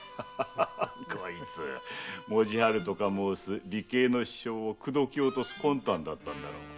文字春と申す美形の師匠を口説き落とす魂胆だったんだろう。